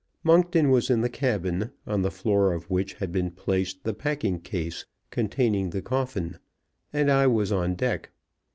Monkton was in the cabin, on the floor of which had been placed the packing case containing the coffin, and I was on deck.